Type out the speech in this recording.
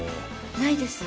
ないです。